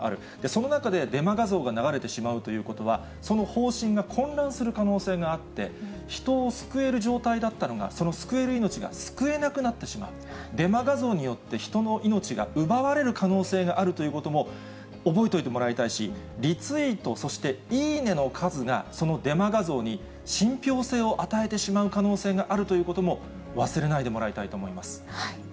その中でデマ画像が流れてしまうということは、その方針が混乱する可能性があって、人を救える状態だったのが、その救える命が救えなくなってしまう、デマ画像によって、人の命が奪われる可能性があるということも、覚えておいてもらいたいし、リツイート、そしていいねの数が、そのデマ画像に信ぴょう性を与えてしまう可能性があるということも、忘れないでもらいたいと思います。